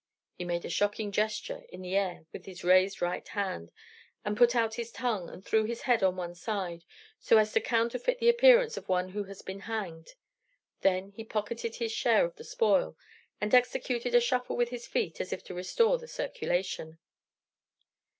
He made a shocking gesture in the air with his raised right hand, and put out his tongue and threw his head on one side, so as to counterfeit the appearance of one who has been hanged. Then he pocketed his share of the spoil, and executed a shuffle with his feet as if to restore the circulation.